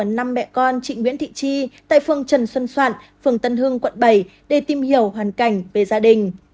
chị chi đã gặp mẹ con chị nguyễn thị chi tại phường trần xuân soạn phường tân hương quận bảy để tìm hiểu hoàn cảnh về gia đình